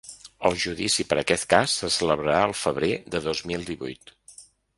El judici per aquest cas se celebrarà al febrer de dos mil divuit.